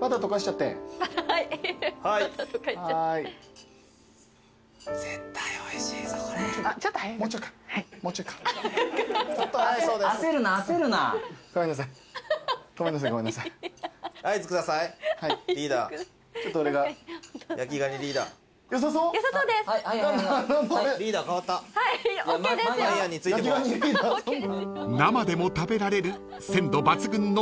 ［生でも食べられる鮮度抜群の焼きたらば蟹］